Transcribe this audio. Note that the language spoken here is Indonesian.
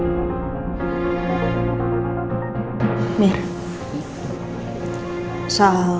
lepasnya hak adopsi rena itu karena kamu bekas nafi